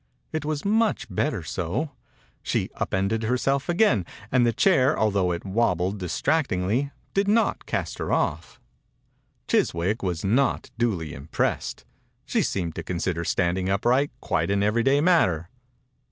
It was much better so. She up ended herself again, and the chair^ altho it wabbled distract ingly, did not cast her oiF. Chiswick was not duly im pressed. She seemed to consider standing upright quite an every day matter.